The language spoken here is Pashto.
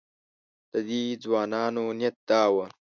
د دې ځوانانو نیت دا و.